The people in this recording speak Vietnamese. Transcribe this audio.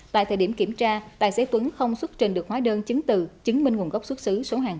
tại thời điểm kiểm tra tài xế tuấn không xuất trình được hóa đơn chứng từ chứng minh nguồn gốc xuất xứ số hàng